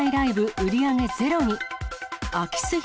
売り上げゼロに。